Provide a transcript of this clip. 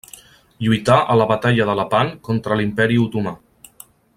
Lluità a la batalla de Lepant contra l'Imperi Otomà.